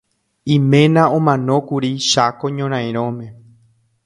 Iména omanókuri Cháko ñorairõme.